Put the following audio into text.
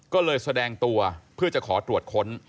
ก็เลยแสดงตัวเพื่อจะขอตรวจค้น